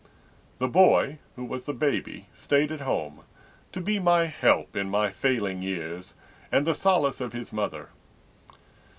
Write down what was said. The boy, who was the baby, stayed at home, To be my help in my failing years And the solace of his mother.